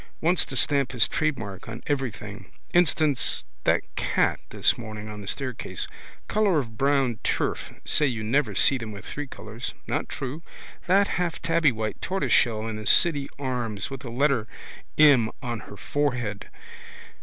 Wants to stamp his trademark on everything. Instance, that cat this morning on the staircase. Colour of brown turf. Say you never see them with three colours. Not true. That half tabbywhite tortoiseshell in the City Arms with the letter em on her forehead.